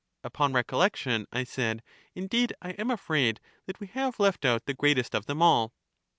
Upon recollection, I said, indeed I am afraid that we have left out the greatest of them all.